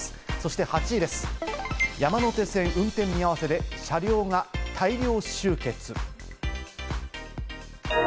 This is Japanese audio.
８位です、山手線、運転見合わせで車両が大量集結。